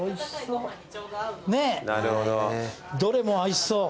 どれも合いそう。